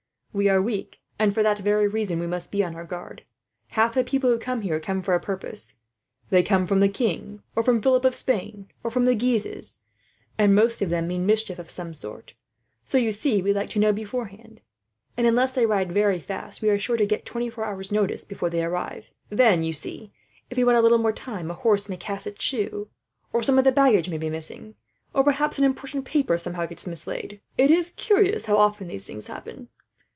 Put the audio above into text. We are weak, and for that very reason we must be on our guard. Half the people who come here come for a purpose. They come from the king, or from Philip of Spain, or from the Guises, and most of them mean mischief of some sort. So you see, we like to know beforehand and, unless they ride very fast, we are sure to get twenty four hours' notice before they arrive. "Then, you see, if we want a little more time, a horse may cast its shoe, or some of the baggage may be missing, or perhaps an important paper somehow gets mislaid. It is curious how often these things happen.